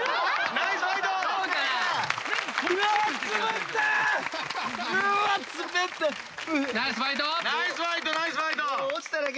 ナイスファイトナイスファイト。